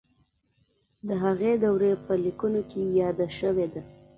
د هغې دورې په لیکنو کې یاده شوې ده.